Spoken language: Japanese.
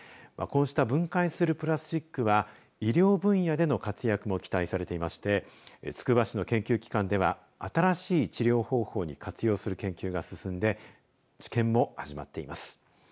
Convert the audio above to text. こうした分解するプラスチックは医療分野での活躍も期待されていましてつくば市の研究機関では新しい治療方法に活用する研究が進んで治験も始まっています。